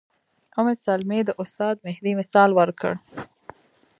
ام سلمې د استاد مهدي مثال ورکړ.